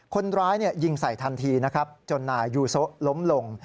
คนร้ายยิงใส่ทันทีจนนายยูโซล้มลง